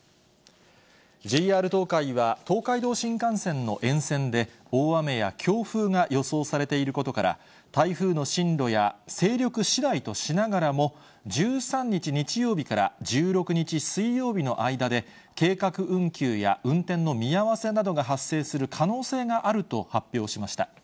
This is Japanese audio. ＪＲ東海は東海道新幹線の沿線で、大雨や強風が予想されていることから、台風の進路や勢力しだいとしながらも、１３日日曜日から１６日水曜日の間で、計画運休や運転の見合わせなどが発生する可能性があると発表しました。